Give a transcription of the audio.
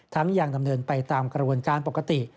ทั้งอย่างดำเนินไปตามกระวนการปกติ